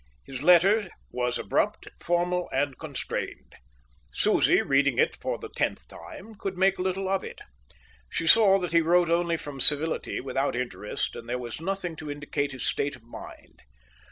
His letter was abrupt, formal, and constrained. Susie, reading it for the tenth time, could make little of it. She saw that he wrote only from civility, without interest; and there was nothing to indicate his state of mind.